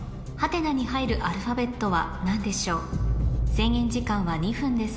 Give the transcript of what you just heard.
制限時間は２分です